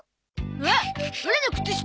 あっオラの靴下！